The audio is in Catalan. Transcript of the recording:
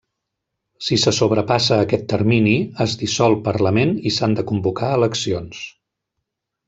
Si se sobrepassa aquest termini, es dissol Parlament i s'han de convocar eleccions.